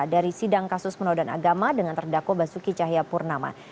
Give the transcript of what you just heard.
dari sidang kasus penodan agama dengan terdakwa basuki cahaya purnama